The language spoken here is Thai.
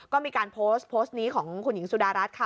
ก็มีการโพสต์โพสต์นี้ของคุณหญิงสุดารัฐค่ะ